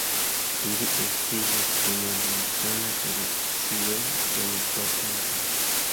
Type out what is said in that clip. Ili estiĝis dum vulkana erupcio dum pratempo.